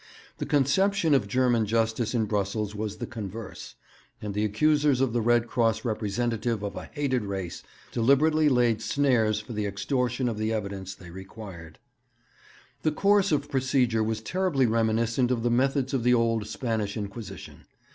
The conception of German justice in Brussels was the converse, and the accusers of the Red Cross representative of a hated race deliberately laid snares for the extortion of the evidence they required. The course of procedure was terribly reminiscent of the methods of the old Spanish Inquisition.